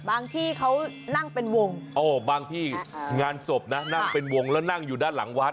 ที่เขานั่งเป็นวงบางที่งานศพนะนั่งเป็นวงแล้วนั่งอยู่ด้านหลังวัด